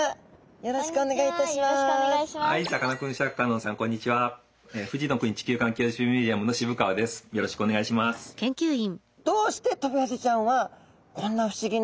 よろしくお願いします。